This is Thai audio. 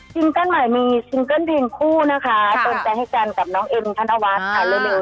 ซิงเกิ้ลใหม่มีซิงเกิ้ลเพลงคู่นะคะต้นใจให้กันกับน้องเอ็งธนวัฒน์ภายเร็วนี้